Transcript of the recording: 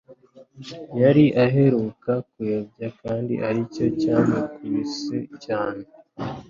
yari aheruka kuyobya kandi aricyo cyamukubise cyane